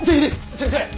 先生！